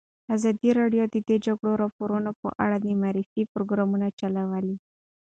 ازادي راډیو د د جګړې راپورونه په اړه د معارفې پروګرامونه چلولي.